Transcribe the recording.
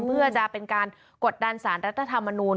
เพื่อจะเป็นการกดดันสารรัฐธรรมนูล